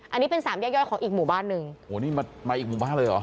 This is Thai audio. อันนี้เป็นสามแยกย่อยของอีกหมู่บ้านหนึ่งโหนี่มามาอีกหมู่บ้านเลยเหรอ